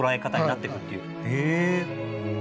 へえ。